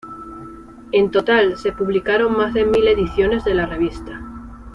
En total se publicaron más de mil ediciones de la revista.